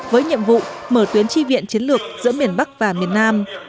với nhiệm vụ mở tuyến chi viện chiến lược giữa miền bắc và miền nam